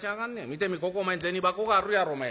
見てみここ銭箱があるやろめ。